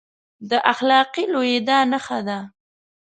د اخلاقي لوېدا نښه دی.